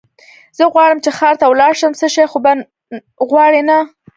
زه غواړم چې ښار ته ولاړ شم، څه شی خو به غواړې نه؟